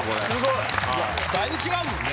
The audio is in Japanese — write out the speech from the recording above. だいぶ違うもんね。